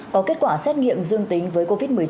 có kết quả xét nghiệm dương tính với covid một mươi chín